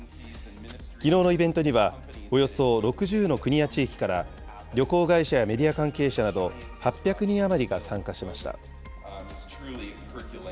きのうのイベントには、およそ６０の国や地域から、旅行会社やメディア関係者など８００人余りが参加しました。